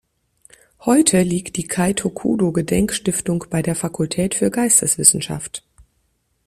Heute liegt die Kaitokudō-Gedenk-Stiftung bei der Fakultät für Geisteswissenschaft.